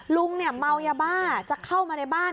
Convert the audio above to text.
ลุงเมายาบ้าจะเข้ามาในบ้าน